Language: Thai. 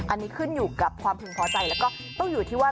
อันนี้ขึ้นอยู่กับความพึงพอใจแล้วก็ต้องอยู่ที่ว่า